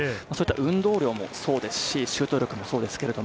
運動量もそうですし、シュート力もそうです。